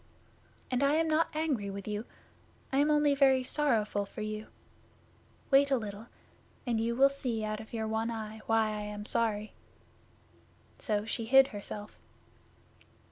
And I am not angry with you. I am only very sorrowful for you. Wait a little, and you will see out of your one eye why I am sorry." So she hid herself.